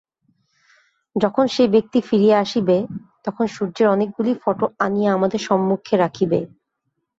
যখন সে ব্যক্তি ফিরিয়া আসিবে, তখন সূর্যের অনেকগুলি ফটো আনিয়া আমাদের সম্মুখে রাখিবে।